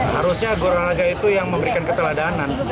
harusnya guru olahraga itu yang memberikan keteladanan